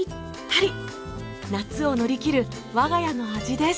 夏を乗り切る我が家の味です。